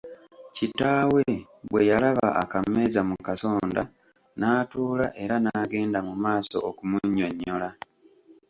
Kitaawe bwe yalaba akameeza mu kasonda n’atuula era n’agenda mu maaso okumunnyonnyola.